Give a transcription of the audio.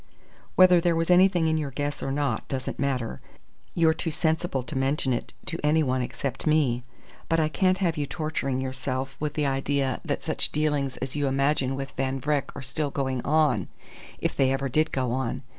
"Whether there was anything in your guess or not doesn't matter. You're too sensible to mention it to any one except me. But I can't have you torturing yourself with the idea that such dealings as you imagine with Van Vreck are still going on, if they ever did go on.